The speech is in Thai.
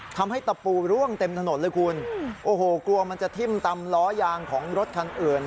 ตะปูร่วงเต็มถนนเลยคุณโอ้โหกลัวมันจะทิ่มตำล้อยางของรถคันอื่น